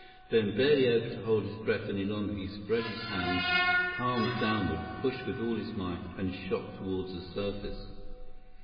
Then, barely able to hold his breath any longer, he spread his hands, palms downward, pushed with all his might and shot toward the surface.